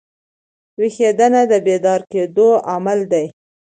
ویښېدنه د بیدار کېدو عمل دئ.